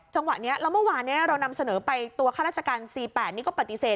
จังหวะนี้แล้วเมื่อวานนี้เรานำเสนอไปตัวข้าราชการ๔๘นี้ก็ปฏิเสธ